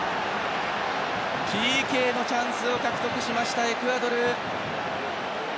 ＰＫのチャンスを獲得しましたエクアドル。